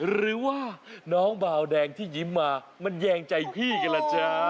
หรือว่าน้องบาวแดงที่ยิ้มมามันแยงใจพี่กันล่ะจ๊ะ